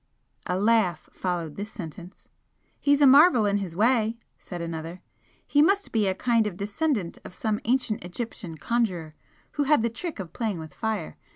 A laugh followed this sentence. "He's a marvel in his way," said another "He must be a kind of descendant of some ancient Egyptian conjurer who had the trick of playing with fire.